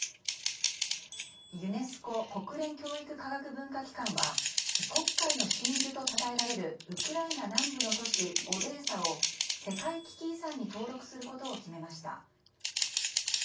ユネスコ・国連教育科学文化機関は黒海の真珠とたたえられるウクライナ南部の都市オデーサを世界危機遺産に登録することを決めました。